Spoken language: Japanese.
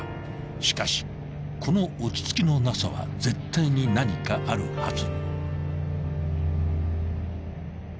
［しかしこの落ち着きのなさは絶対に何かあるはず］